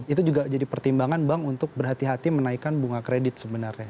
itu juga jadi pertimbangan bank untuk berhati hati menaikkan bunga kredit sebenarnya